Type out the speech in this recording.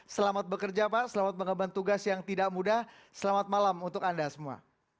selamat bekerja pak selamat mengembang tugas yang tidak mudah selamat malam untuk anda semua